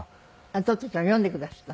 『トットちゃん』を読んでくだすった？